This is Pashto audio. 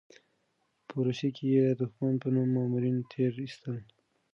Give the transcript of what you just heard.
په روسيې کې یې د دښمنۍ په نوم مامورین تېر ایستل.